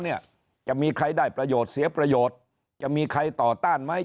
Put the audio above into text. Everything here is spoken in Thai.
เนี่ยจะมีใครได้ประโยชน์เสียประโยชน์จะมีใครต่อต้านไหม